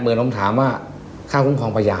๘๐๐๐๐ผมถามว่าค่าคุ้มครองประหยาร